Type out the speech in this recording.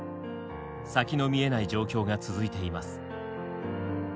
先の見えない状況が続いています。